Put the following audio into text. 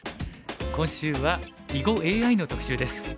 今週は囲碁ＡＩの特集です。